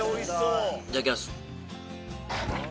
いただきます。